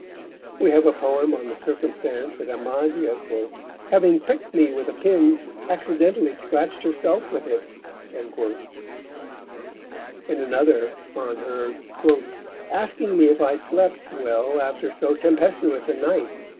We have a poem on the circumstance that Amasia, "having prick'd me with a Pin, accidentally scratched herself with it;" and another on her "asking me if I slept well after so tempestuous a night."